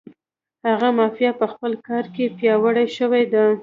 هغه مافیا په خپل کار کې پیاوړې شوې ده.